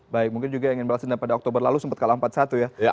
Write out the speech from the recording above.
baik mungkin juga ingin berhasil pada oktober lalu sempat kalah empat satu ya